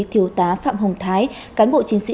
thiếu tá phạm hồng thái cán bộ chiến sĩ